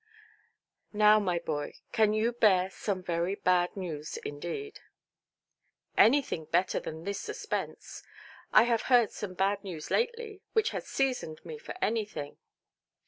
"Now, my boy, can you bear some very bad news indeed"? "Anything better than this suspense. I have heard some bad news lately, which has seasoned me for anything".